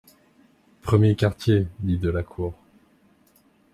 Premier quartier, dit de la Cour.